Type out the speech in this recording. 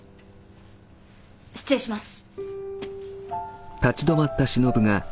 失礼します。